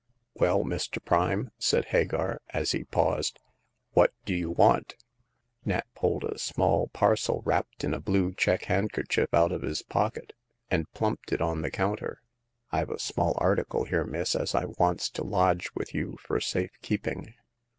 " Well, Mr. Prime," said Hagar, as he paused, what do you want ?" Nat pulled a small parcel wrapped in a blue check handkerchief out of his pocket, and plumped it on the counter. Fve a small article here, miss, as I wants to lodge with you fur safe keeping."